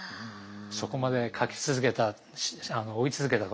そこまで描き続けた追い続けたことに。